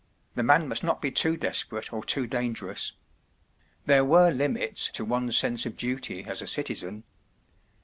The man must not be too desperate or too dangerous. There were limits to one’s sense of duty as a citizen.